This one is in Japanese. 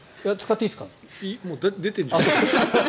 もう出てんじゃん。